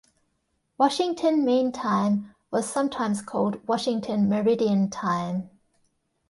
Washington Mean Time was sometimes called Washington Meridian Time.